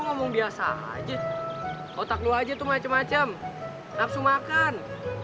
ngomong biasa aja otak lu aja tuh macem macem nafsu makan